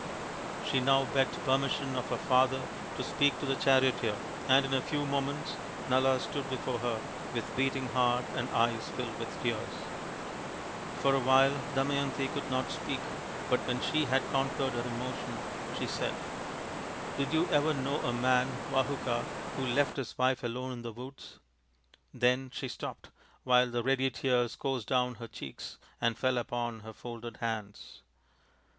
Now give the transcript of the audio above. She now begged permission of her father to speak to the charioteer, and in a few moments Nala stood before her with beating heart and eyes filled with tears, For a while Damayanti could not speak, but when she had conquered her emotion she said :" Did you ever know a man, Vahuka, who left his wife alone in the woods ?" Then she stopped, while the ready tears coursed down her cheeks and fell upon her folded hands.